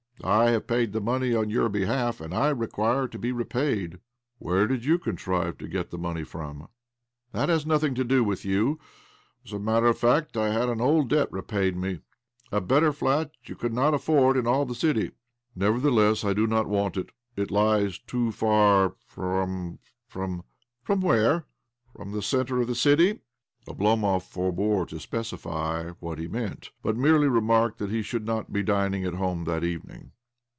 I have paid the money on your behalf, and I require to be repaid." " Where did you contrive to get the money from ?"" That has nothing to do with you. As a matter of fact, I had an old debt repaid me. OBLOMOV 197 A better flat you could not find in all the city." " Nevertheless I do not want it. It lies too far from — from "" From where ? Fronr the centre of the city?" Oblomov forbore to specify what he meant, but merely remarked that he should not be dining at home that evening.